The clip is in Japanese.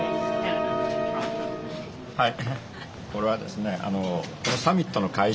はい。